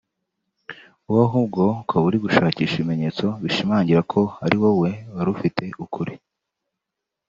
wowe ahubwo ukaba uri gushakisha ibimenyetso bishimangira ko ari wowe warufite ukuri